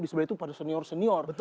di sebelah itu pada senior senior